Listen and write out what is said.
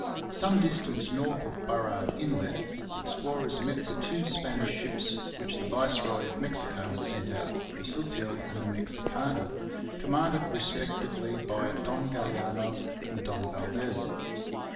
Some distance north of Burrard Inlet the explorers met the two Spanish ships which the viceroy of Mexico had sent out, the Sutil and the Mexicana, commanded respectively by Don Galiano and Don Valdes.